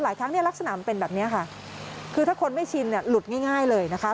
หลายครั้งนี้ลักษณะมันเป็นแบบนี้ค่ะคือถ้าคนไม่ชินลุดง่ายเลยนะคะ